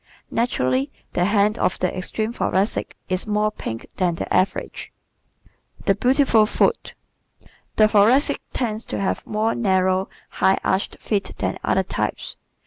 Naturally the hand of the extreme Thoracic is more pink than the average. The Beautiful Foot ¶ The Thoracic tends to have more narrow, high arched feet than other types.